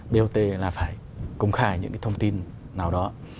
bot là phải công khai những cái thông tin nào đó